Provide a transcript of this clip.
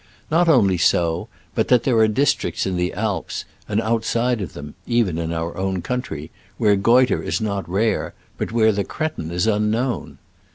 Not only so, but that there are districts in the Alps and outside of them (even in our own country) where goitre is not rare, but where the cretin is unknown.